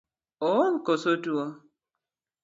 Ool kose otuo?